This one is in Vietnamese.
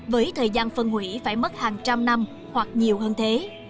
với thời gian phân hủy phải mất hàng trăm năm hoặc nhiều hơn thế